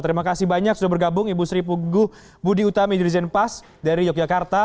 terima kasih banyak sudah bergabung ibu sri pugu budi utami juri zenpas dari yogyakarta